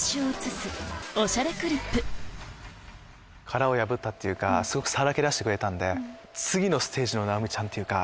殻を破ったっていうかすごくさらけ出してくれたんで次のステージの直美ちゃんというか。